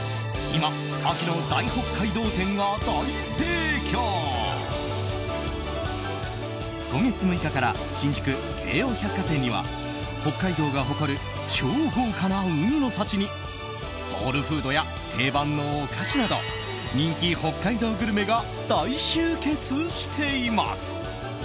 今月６日から新宿・京王百貨店には北海道が誇る超豪華な海の幸にソウルフードや定番のお菓子など人気北海道グルメが大集結しています。